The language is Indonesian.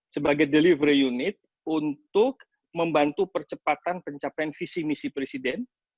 sebagai delivery unit untuk membantu percepatan pencapaian visi misi presiden